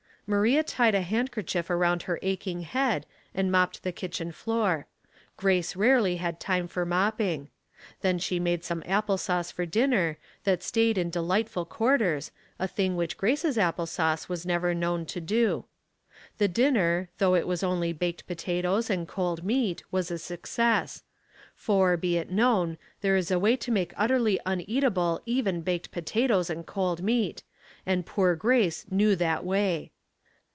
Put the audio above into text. Maria tied a handkerchief around her aching head, and mopped the kitchen floor. Grace rarely had time for mopping ; then she made some apple sauce for dinner, that stayed in de lightful quarters, a thing which Grace's apple sauce was never known to do. The dinner, though it was only baked potatoes and cold meat, was a success ; for, be it known, there is a way to make utterly uneatable even baked pota toes and cold meat, and poor Grace knew that way.